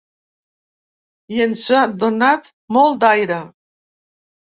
I ens ha donat molt d’aire.